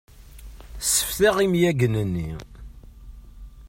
Sseftaɣ imyagen-nni.